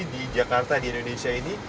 di jakarta di indonesia ini